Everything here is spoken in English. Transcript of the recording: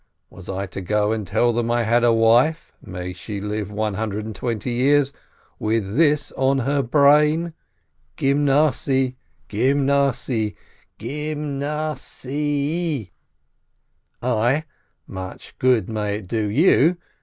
Was I to go and tell them I had a wife (may she live one hundred and twenty years!) with this on the brain: Gymnasiye, Gymnasiye, and Gym na si ye ? I (much good may it do you!)